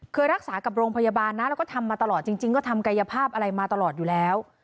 เคยรักษากับโรงพยาบาลนะแล้วก็ทำมาตลอดจริงก็ทำกายภาพอะไรมาตลอดอยู่แล้ว